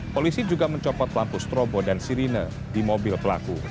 polisi juga mencopot lampu strobo dan sirine di mobil pelaku